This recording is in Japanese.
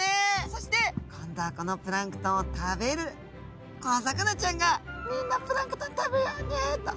そして今度はこのプランクトンを食べる小魚ちゃんが「みんなプランクトン食べようね」と。